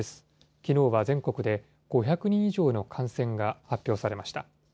きのうは全国で５００人以上の感染が発表されました。